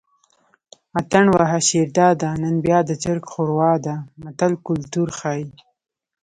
اتڼ وهه شیرداده نن بیا د چرګ ښوروا ده متل کولتور ښيي